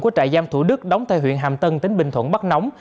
của trại giam thủ đức đóng tại huyện hàm tân tỉnh bình thuận bắt nóng